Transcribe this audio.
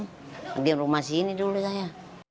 di rumah sini dulu saya